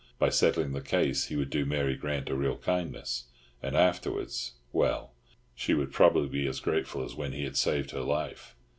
By settling the case he would do Mary Grant a real kindness. And afterwards—well, she would probably be as grateful as when he had saved her life.